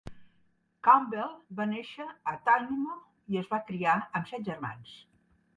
Campbell va néixer a Tynemouth, i es va criar amb set germans.